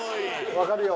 わかるよ。